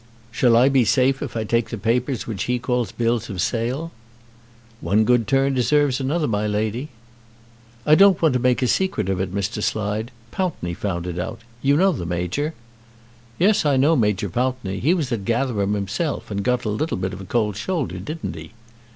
"Shall I be safe if I take the papers which he calls bills of sale?" "One good turn deserves another, my lady." "I don't want to make a secret of it, Mr. Slide. Pountney found it out. You know the Major?" "Yes, I know Major Pountney. He was at Gatherum 'imself, and got a little bit of cold shoulder; didn't he?"